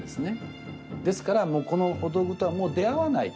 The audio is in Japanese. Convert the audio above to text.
ですからもうこのお道具とはもう出会わない。